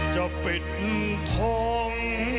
จะปิดธรรม